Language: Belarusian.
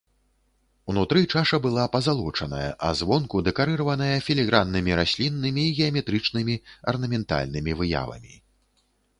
Унутры чаша была пазалочаная, а звонку дэкарыраваная філіграннымі расліннымі і геаметрычнымі арнаментальнымі выявамі.